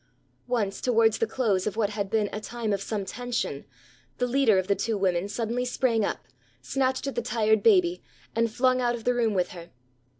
Once towards the close of what had been a time of some tension, the leader of the two women suddenly sprang up, snatched at the tired baby, and flung out of the room with her.